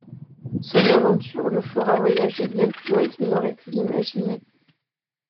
Son aventure le fera voyager bien plus loin qu'il n'aurait pu l'imaginer.